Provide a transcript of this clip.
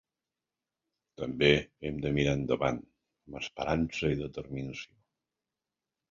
També hem de mirar endavant amb esperança i determinació.